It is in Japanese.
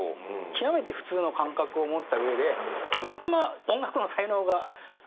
極めて普通の感覚を持ったうえでたまたま音楽の才能があっただけで。